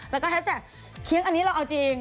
แล้วก็แฮชแท็กเคี้ยงอันนี้เราเอาจริง